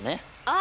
あ！